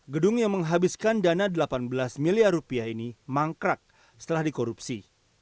gedung yang menghabiskan dana delapan belas miliar rupiah ini mangkrak setelah dikorupsi